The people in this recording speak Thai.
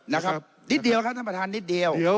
นะครับนิดเดียวครับท่านประธานนิดเดียว